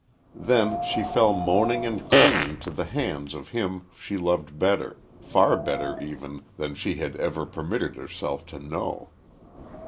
Then she fell moaning and clinging to the hands of him she loved better, far better even, than she had ever permitted herself to know.